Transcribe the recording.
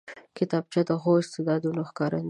کتابچه د ښو استعداد ښکارندوی ده